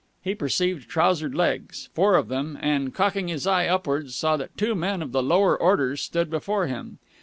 He perceived trousered legs, four of them, and, cocking his eye upwards, saw that two men of the lower orders stood before him.